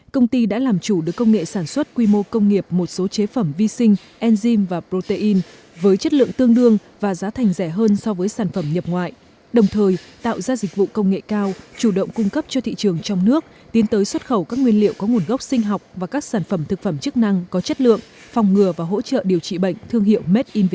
công ty đã làm chủ được công nghệ sản xuất quy mô công nghiệp một số chế phẩm vi sinh enzyme và protein với chất lượng tương đương và giá thành rẻ hơn so với sản phẩm nhập ngoại đồng thời tạo ra dịch vụ công nghệ cao chủ động cung cấp cho thị trường trong nước tiến tới xuất khẩu các nguyên liệu có chất lượng tương đương và chất lượng tương đương